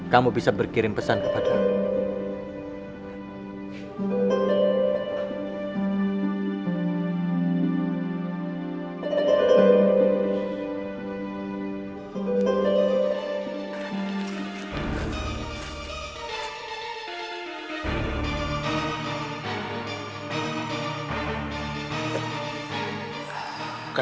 kamu bisa berkirim pesan kepada aku